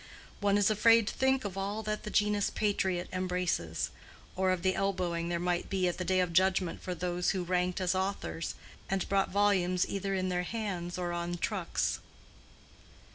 One is afraid to think of all that the genus "patriot" embraces; or of the elbowing there might be at the day of judgment for those who ranked as authors, and brought volumes either in their hands or on trucks.